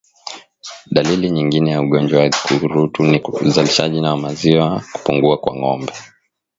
Dalili nyingine ya ugonjwa wa ukurutu ni uzalishaji wa maziwa kupungua kwa ngombe